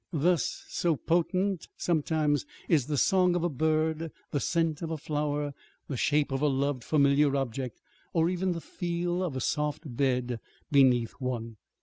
Thus, so potent, sometimes, is the song of a bird, the scent of a flower, the shape of a loved, familiar object, or even the feel of a soft bed beneath one.